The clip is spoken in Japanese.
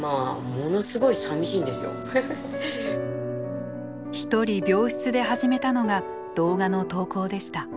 一人病室で始めたのが動画の投稿でした。